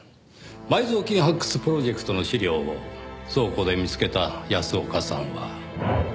埋蔵金発掘プロジェクトの資料を倉庫で見つけた安岡さんは。